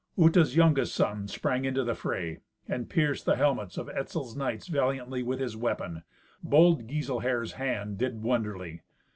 Uta's youngest son sprang into the fray, and pierced the helmets of Etzel's knights valiantly with his weapon. Bold Giselher's hand did wonderly.